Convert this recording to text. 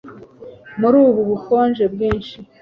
Muri ubu bukonje bwinshi ,